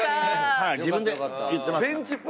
はい自分で言ってますから。